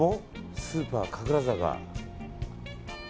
スーパー神楽坂。